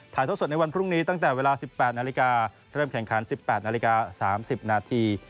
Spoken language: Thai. ทดในวันพรุ่งนี้ตั้งแต่เวลา๑๘นาฬิกาเริ่มแข่งขัน๑๘นาฬิกา๓๐นาที